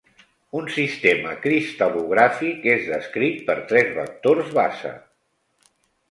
Un sistema cristal·logràfic és descrit per tres vectors base.